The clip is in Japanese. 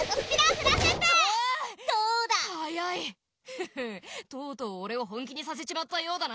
フッフとうとうオレをほんきにさせちまったようだな。